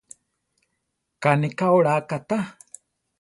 Ká ne ka olá katá.